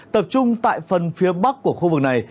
tập trung tại phần phía bắc của khu vực này